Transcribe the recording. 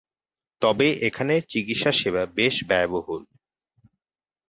তবে এখানের চিকিৎসা সেবা বেশ ব্যয়বহুল।